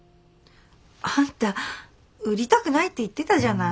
あんた売りたくないって言ってたじゃない。